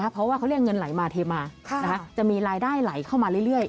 เพราะว่าเขาเรียกเงินไหลมาเทมาจะมีรายได้ไหลเข้ามาเรื่อย